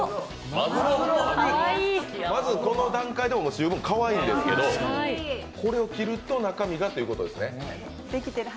まぐろ、まずこの段階でもかわいいですけどこれを切ると中身がということですね。